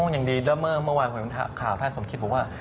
อย่างดีแล้วเมื่อวานข่าวท่านสมคิดบอกว่า